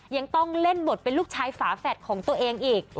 ยังต้องเล่นบทเป็นลูกชายฝาแฝดของตัวเองอีก